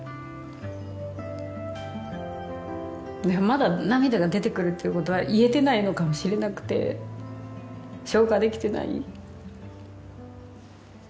まだ涙が出てくるということは癒えてないのかもしれなくて消化できてない？